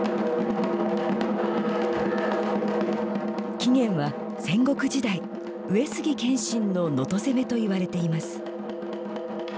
起源は戦国時代上杉謙信の能登攻めといわれています。